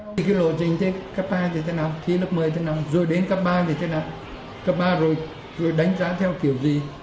thì cái lộ trình thế cấp hai thì thế nào thì lớp một mươi thì thế nào rồi đến cấp ba thì thế nào cấp ba rồi rồi đánh giá theo kiểu gì